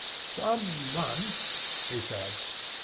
'Some months,' he said.